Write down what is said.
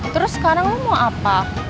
terus sekarang mau apa